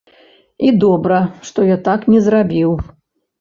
І добра, што я так не зрабіў.